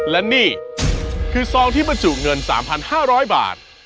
และนี่คือซองที่บรรจุเงิน๓๕๐๐บาท